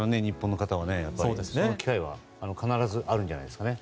その機会は必ずあるんじゃないんですかね。